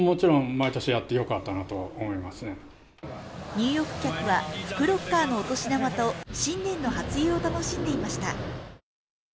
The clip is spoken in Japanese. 入浴客は福ロッカーのお年玉と新年の初湯を楽しんでいました。